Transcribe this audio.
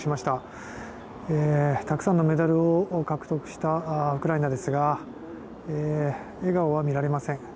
たくさんのメダルを獲得したウクライナですが笑顔は見られません。